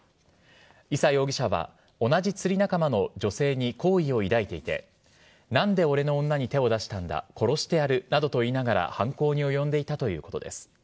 伊佐容疑者は同じ釣り仲間の女性に好意を抱いていて何で俺の女に手を出したんだ殺してやるなどと言いながら犯行に及んでいたということです。